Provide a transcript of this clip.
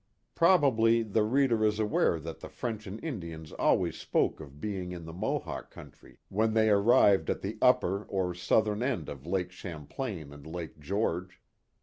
Probably the reader is aware that the French and Indians always spoke of being in the Mohawk country when they arrived at the upper or south ern end of Lake Champlain and Lake George.